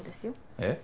えっ？